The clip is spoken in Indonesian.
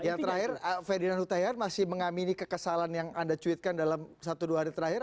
yang terakhir ferdinand hutahian masih mengamini kekesalan yang anda cuitkan dalam satu dua hari terakhir